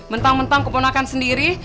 mentang mentang keponakan sendiri